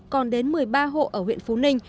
còn đến một mươi ba hộ ở huyện phú ninh